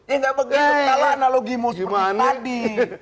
ini gak begitu salah analogi muslim tadi